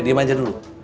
diam aja dulu